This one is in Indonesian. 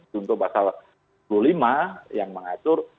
contoh pasal dua puluh lima yang mengatur